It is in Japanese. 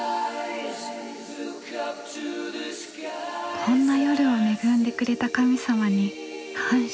こんな夜を恵んでくれた神様に感謝。